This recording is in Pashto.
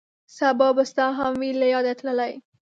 سبا به ستا هم وي له یاده تللی